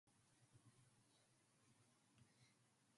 They can receive a pass of the ball.